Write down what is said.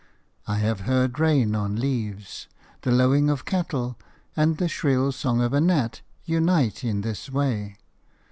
I have heard rain on leaves, the lowing of cattle, and the shrill song of a gnat unite in this way.